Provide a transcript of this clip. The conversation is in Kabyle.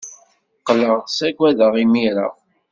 Qqleɣ ssaggadeɣ imir-a?